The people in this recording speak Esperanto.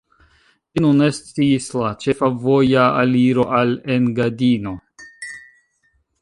Ĝi nun estis la ĉefa voja aliro al Engadino.